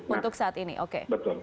untuk saat ini begitu